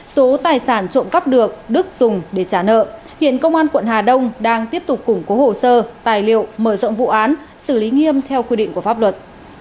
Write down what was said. số tài sản trộm cắp được đức dùng để trả nợ hiện công an quận hà đông đang tiếp tục củng cố hồ sơ tài liệu mở rộng vụ án xử lý nghiêm theo quy định của pháp luật